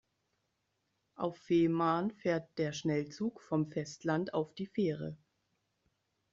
Auf Fehmarn fährt der Schnellzug vom Festland auf die Fähre.